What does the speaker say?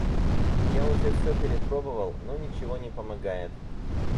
Я уже всё перепробовал, но ничего не помогает.